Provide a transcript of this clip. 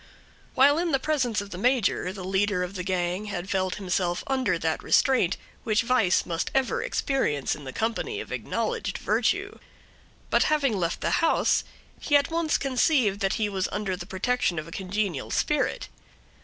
While in the presence of the major the leader of the gang had felt himself under that restraint which vice must ever experience in the company of acknowledged virtue; but having left the house, he at once conceived that he was under the protection of a congenial spirit.